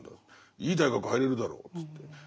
「いい大学入れるだろ」っつって。